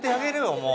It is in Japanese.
もう。